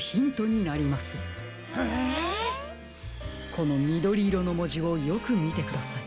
このみどりいろのもじをよくみてください。